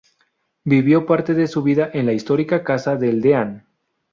Vivió parte de su vida en la histórica Casa del Deán.